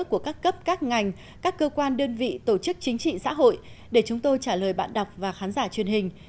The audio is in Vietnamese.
của các cấp các ngành các cơ quan đơn vị tổ chức chính trị xã hội để chúng tôi trả lời bạn đọc và khán giả truyền hình